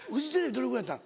どのぐらいやった？